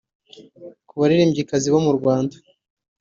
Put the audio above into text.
Ku baririmbyikazi bo mu Rwanda